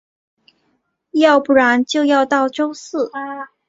要不然就要到周四